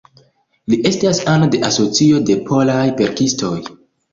Li estas ano de Asocio de Polaj Verkistoj.